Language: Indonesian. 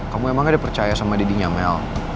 kamu emang gak dipercaya sama dedinya mel